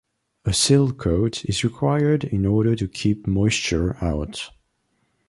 A seal coat is required in order to keep moisture out.